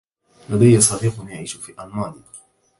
لديّ صديق يعيش في ألمانيا.